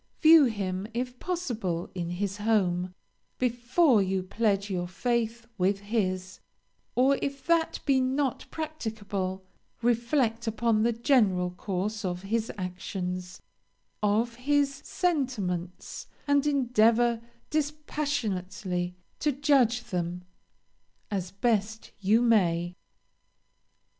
View him, if possible, in his home, before you pledge your faith with his or, if that be not practicable, reflect upon the general course of his actions, of his sentiments, and endeavor dispassionately to judge them, as best you may."